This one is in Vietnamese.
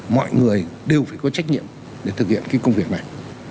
mọi người đều phải có trách nhiệm để thực hiện cái công việc này